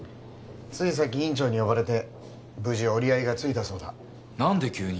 ついさっき院長に呼ばれて無事折り合いがついたそうだ何で急に？